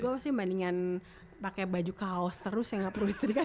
gue pasti bandingan pakai baju kaos terus ya gak perlu nyetrika